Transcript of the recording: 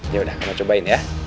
yaudah kamu cobain ya